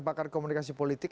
pakar komunikasi politik